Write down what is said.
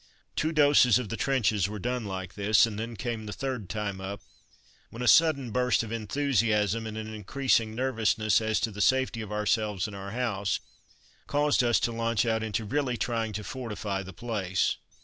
Two doses of the trenches were done like this, and then came the third time up, when a sudden burst of enthusiasm and an increasing nervousness as to the safety of ourselves and our house, caused us to launch out into really trying to fortify the place.